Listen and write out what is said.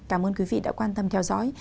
cảm ơn quý vị đã quan tâm theo dõi